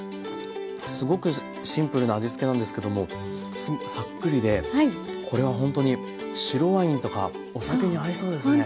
すごくシンプルな味付けなんですけどもサックリでこれはほんとに白ワインとかお酒に合いそうですね。